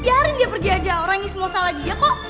biarin dia pergi aja orang ini semua salah dia kok